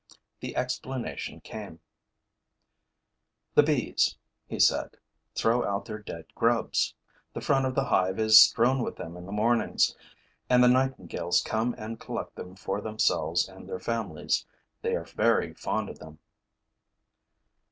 The explanation came: 'The bees,' he said, 'throw out their dead grubs. The front of the hive is strewn with them in the mornings; and the nightingales come and collect them for themselves and their families. They are very fond of them.'